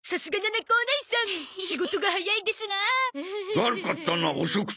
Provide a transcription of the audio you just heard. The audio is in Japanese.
悪かったな遅くて。